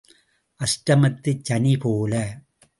அஷ்டமத்துச் சனி போல.